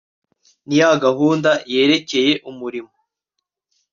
n'iya gahunda yerekeye umurimo